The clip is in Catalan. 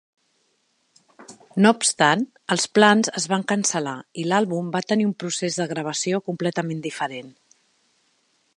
No obstant, els plans es van cancel·lar i l'àlbum va tenir un procés de gravació completament diferent.